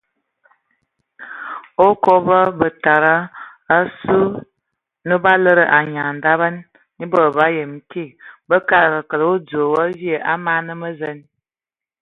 Okoba bətada asu yə na ba lədə anyaŋ daba asue e bod ba yəm kig bə kadəga kəle odzoe wa vie a man mə zen.